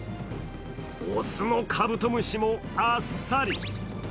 雄のカブトムシもあっさり。